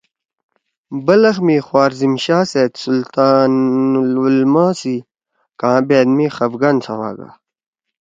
بلخ می خوارزم شاہ سیت سلطان العلماء سی کاں بأت می خفگان سواگا۔